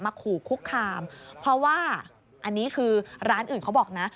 ขู่คุกคามเพราะว่าอันนี้คือร้านอื่นเขาบอกนะ